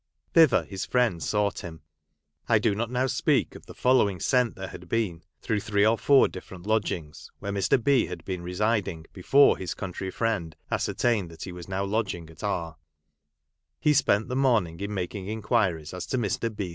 Thither his friend sought him. (I do not now speak of the following scent there had been through three or four different lodgings, where Mr. B. had been residing, before his country friend ascertained that he was now lodging at R .) He spent the morning in making inquiries as to Mr. B.'